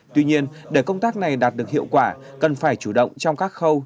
tuy nhiên để công tác này đạt được hiệu quả cần phải chủ động trong các khâu